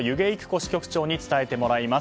支局長に伝えてもらいます。